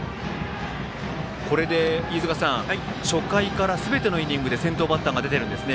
これで初回からすべてのイニングで先頭バッターが出ているんですね